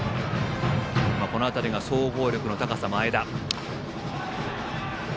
この辺りが総合力の高さ、前田。